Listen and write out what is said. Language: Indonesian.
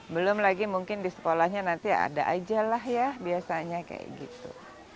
belum lagi mungkin di sekolahnya nanti ada aja lah ya biasanya kayak gitu